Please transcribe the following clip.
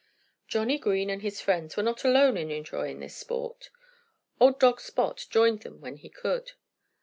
Johnnie Green and his friends were not alone in enjoying this sport. Old dog Spot joined them when he could.